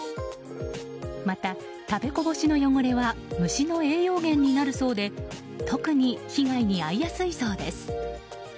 また、食べこぼしの汚れは虫の栄養源になるそうで特に被害に遭いやすいそうです。